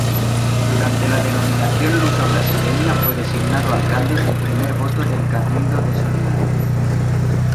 Durante la dominación luso-brasileña fue designado alcalde de primer voto del Cabildo de Soriano.